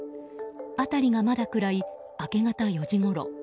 辺りがまだ暗い、明け方４時ごろ。